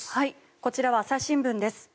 こちらは朝日新聞です。